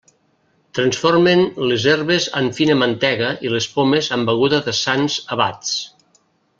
Transformen les herbes en fina mantega i les pomes en beguda de sants abats.